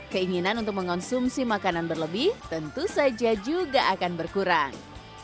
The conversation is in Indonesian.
keinginan untuk mengonsumsi makanan berlebih tentu saja juga akan berkurang